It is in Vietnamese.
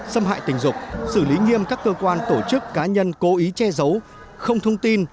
xâm hại tình dục xử lý nghiêm các cơ quan tổ chức cá nhân cố ý che giấu không thông tin